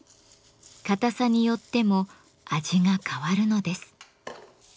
硬さによっても味が変わるのです。